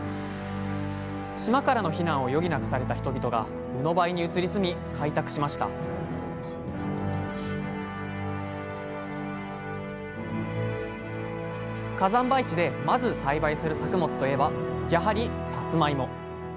島からの避難を余儀なくされた人々がうのばいに移り住み開拓しました火山灰地でまず栽培する作物といえばやはりさつまいも。